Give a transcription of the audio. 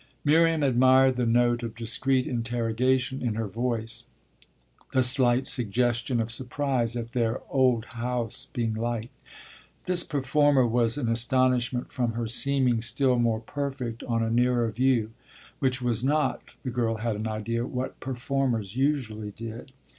Miriam admired the note of discreet interrogation in her voice the slight suggestion of surprise at their "old house" being liked. This performer was an astonishment from her seeming still more perfect on a nearer view which was not, the girl had an idea, what performers usually did.